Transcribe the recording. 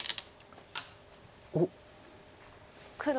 おっ。